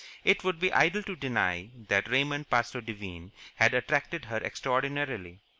It would be idle to deny that Raymond Parsloe Devine had attracted her extraordinarily.